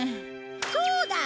そうだ！